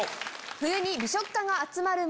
「冬に美食家が集まる町」。